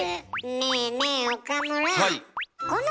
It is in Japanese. ねえねえ岡村。